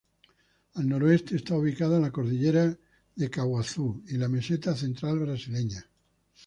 Al noreste está ubicada la cordillera de Caaguazú y la meseta Central brasileña.